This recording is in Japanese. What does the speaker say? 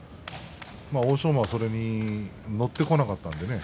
欧勝馬が、それに乗ってこなかったんですね。